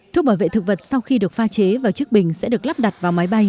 thuốc bảo vệ thực vật sau khi được pha chế vào chiếc bình sẽ được lắp đặt vào máy bay